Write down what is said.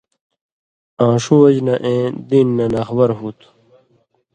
آں ݜُو وجہۡ نہ اېں (دین نہ) ناخبر ہُو تُھو۔